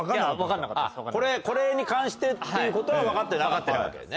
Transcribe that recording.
これに関してっていうことは分かってなかったわけだね。